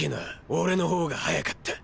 俺の方が速かった。